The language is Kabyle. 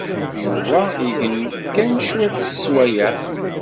Yuba igen kan cwiṭ n sswayeɛ.